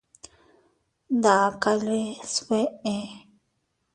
Ndakale sbeʼe.